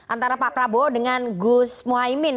antara pak prabowo dengan gus muhaymin